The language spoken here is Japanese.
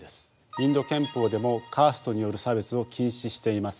インド憲法でもカーストによる差別を禁止しています。